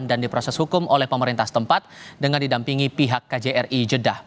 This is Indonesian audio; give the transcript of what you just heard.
dan diproses hukum oleh pemerintah tempat dengan didampingi pihak kjri jeddah